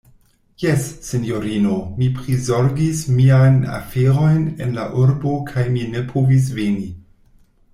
Jes, sinjorino, mi prizorgis miajn aferojn en la urbo kaj mi ne povis veni.